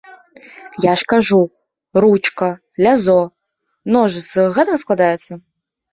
Я ж кажу, ручка, лязо, нож з гэтага складаецца?